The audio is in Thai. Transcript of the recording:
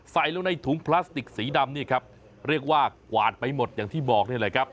ใส่ลงในถุงพลาสติกสีดำนี่ครับเรียกว่ากวาดไปหมดอย่างที่บอกนี่แหละครับ